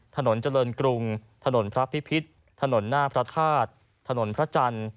ถนนเจริญกรุงถนนพระพิพิษถนนหน้าพระธาตุถนนพระจันทร์